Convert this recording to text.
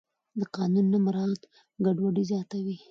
د قانون نه مراعت ګډوډي زیاتوي